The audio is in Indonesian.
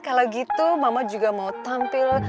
kalau gitu mama juga mau tampil